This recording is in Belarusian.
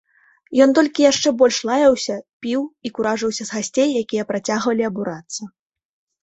Ён толькі яшчэ больш лаяўся, піў і куражыўся з гасцей, якія працягвалі абурацца.